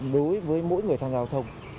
đối với mỗi người tham gia giao thông